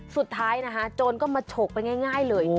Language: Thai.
สุดท้ายนะคะโจรก็มาฉกไปง่ายเลย